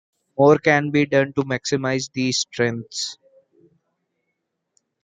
More can be done to maximise these strengths.